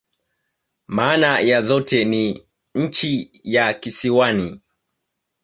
Maana ya zote ni "nchi ya kisiwani.